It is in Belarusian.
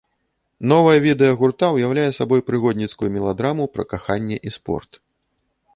Новае відэа гурта ўяўляе сабой прыгодніцкую меладраму пра каханне і спорт.